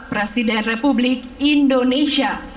presiden republik indonesia